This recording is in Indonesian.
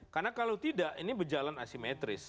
karena kalau tidak ini berjalan asimetris